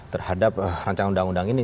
terhadap rancangan undang undang ini